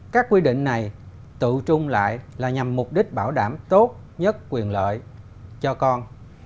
các quy định này tự trung lại là nhằm mục đích bảo đảm tốt nhất quyền lợi cho con